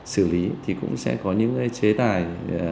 xử lý thì cũng sẽ có những chế tài